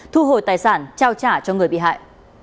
thu hồi tài sản trao trả cho người bị hại